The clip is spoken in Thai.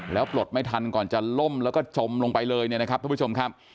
แล้วปลดไม่ทันก่อนจะล่มแล้วก็จมลงไปเลยเนี่ยนะครับทุกผู้ชมครับ